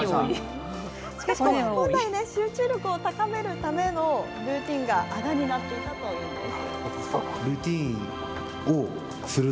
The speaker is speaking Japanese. しかし本来、集中力を高めるためのルーティンがあだとなっていたということです。